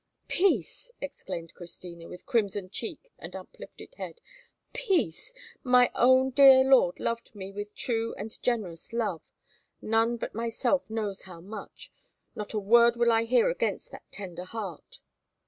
"Peace!" exclaimed Christina, with crimson cheek and uplifted head. "Peace! My own dear lord loved me with true and generous love! None but myself knows how much. Not a word will I hear against that tender heart."